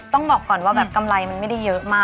ต้องบอกก่อนว่าแบบกำไรมันไม่ได้เยอะมาก